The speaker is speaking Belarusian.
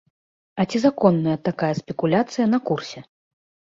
І ці законная такая спекуляцыя на курсе?